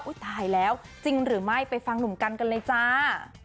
ตายแล้วจริงหรือไม่ไปฟังหนุ่มกันกันเลยจ้า